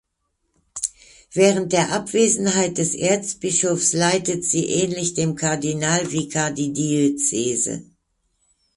Während der Abwesenheit des Erzbischofs leitet sie ähnlich dem Kardinalvikar die Diözese.